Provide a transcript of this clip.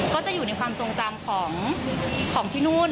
ก็จะอยู่ในความทรงจำของที่นู่น